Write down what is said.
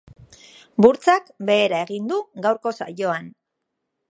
Burtsak behera egin du gaurko saioan.